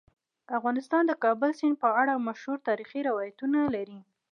افغانستان د کابل سیند په اړه مشهور تاریخی روایتونه لري.